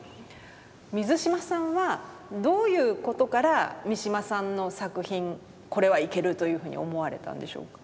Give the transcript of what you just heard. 水嶋さんはどういうことから三島さんの作品これはいけるというふうに思われたんでしょうか？